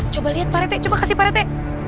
coba liat parete coba kasih parete